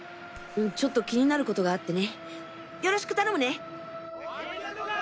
ちょっと気になることがあってねよろしく頼むね！